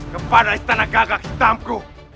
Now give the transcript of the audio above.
kepada istana gagak hitamku